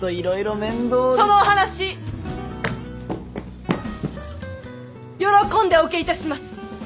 そのお話喜んでお受けいたします。